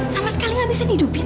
sama sekali tidak bisa dihidupkan